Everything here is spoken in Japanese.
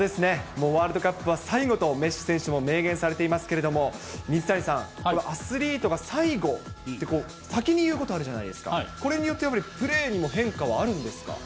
もうワールドカップは最後と、メッシ選手も明言されていますけれども、水谷さん、アスリートが最後ってこう、先に言うことあるじゃないですか、これによってやっぱり、プレーにも変化はあるんですか？